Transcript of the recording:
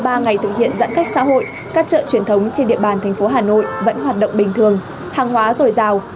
sau ba ngày thực hiện giãn cách xã hội các chợ truyền thống trên địa bàn thành phố hà nội vẫn hoạt động bình thường hàng hóa rồi rào